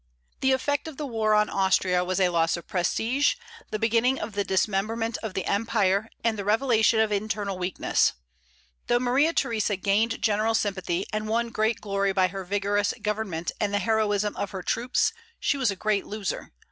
The effect of the war on Austria was a loss of prestige, the beginning of the dismemberment of the empire, and the revelation of internal weakness. Though Maria Theresa gained general sympathy, and won great glory by her vigorous government and the heroism of her troops, she was a great loser.